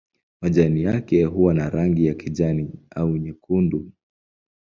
Majani yake huwa na rangi ya kijani au nyekundu.